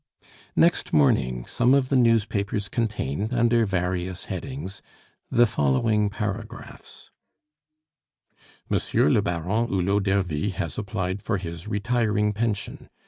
Next morning some of the newspapers contained, under various headings, the following paragraphs: "Monsieur le Baron Hulot d'Ervy has applied for his retiring pension.